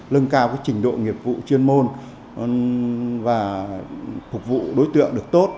lưng cao trình độ nghiệp vụ chuyên môn và phục vụ đối tượng được tốt